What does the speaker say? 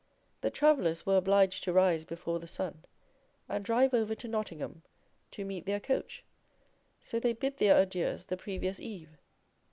The travellers were obliged to rise before the sun, and drive over to Nottingham to meet their coach; so they bid their adieus the previous eve.